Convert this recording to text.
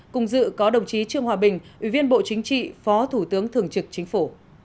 cùng dự có đồng chí trương hòa bình ủy viên bộ chính trị phó thủ tướng thường trực chính phủ